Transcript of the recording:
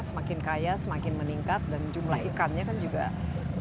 semakin kaya semakin meningkat dan jumlah ikannya kan juga secara long term